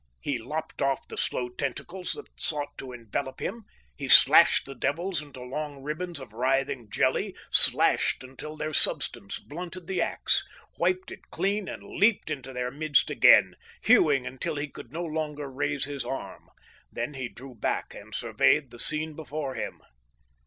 He lopped off the slow tentacles that sought to envelop him, he slashed the devils into long ribbons of writhing jelly, slashed until the substance blunted the ax; wiped it clean and leaped into their midst again, hewing until he could no longer raise his arm. Then he drew back and surveyed the scene before him.